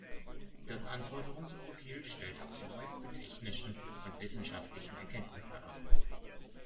Das Anforderungsprofil stellt auf die neuesten technischen und wissenschaftlichen Erkenntnisse ab.